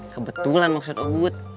kebetulan maksud ubud